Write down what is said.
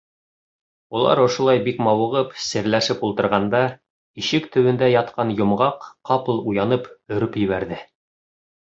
Улар ошолай бик мауығып, серләшеп ултырғанда, ишек төбөндә ятҡан Йомғаҡ, ҡапыл уянып, өрөп ебәрҙе.